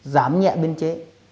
giảm nhẹ biên chế